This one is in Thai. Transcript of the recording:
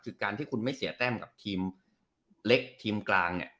คือการที่คุณไม่เสียแต้มกับทีมเล็กทีมกลางเนี่ย